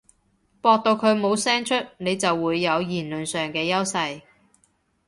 駁到佢冇聲出，你就會有言論上嘅優勢